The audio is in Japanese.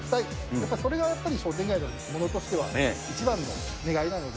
やっぱそれがやっぱり、商店街の者としては一番の願いなので。